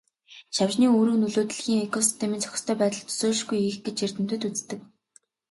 Шавжны үүрэг нөлөө дэлхийн экосистемийн зохистой байдалд төсөөлшгүй их гэж эрдэмтэд үздэг.